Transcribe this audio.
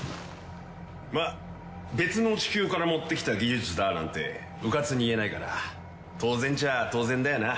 まあ別の地球から持ってきた技術だなんてうかつに言えないから当然ちゃ当然だよな。